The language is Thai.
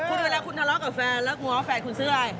คุณเวลาคุณทะเลาะกับแฟนแล้วกลัวว่าแฟนคุณซื้ออะไร